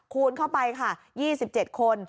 คูณเข้าไป๒๗คน